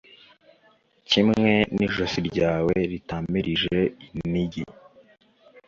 kimwe n’ijosi ryawe ritamirije inigi.